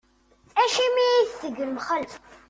Acimi i iteg lemxalfa?